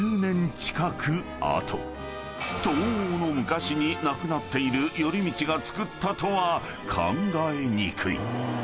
［とうの昔に亡くなっている頼通が造ったとは考えにくい］